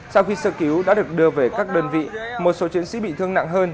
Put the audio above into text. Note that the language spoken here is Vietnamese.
sau khi sơ cứu đã được đưa về các đơn vị một số chiến sĩ bị thương nặng hơn